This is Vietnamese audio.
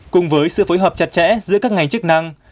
cùng với sự phối hợp chặt chẽ giữa các ngành chức năng